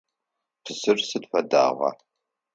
Псыр сыд фэдагъа?